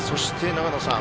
長野さん